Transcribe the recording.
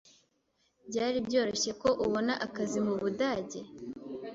Byari byoroshye ko ubona akazi mu Budage?